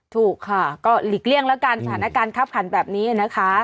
ถูกค่ะก็หลีกเลี่ยงแล้วกันสถานการณ์คับขันแบบนี้นะคะ